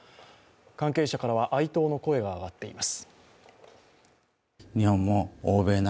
関係者からは哀悼の声が上がっています。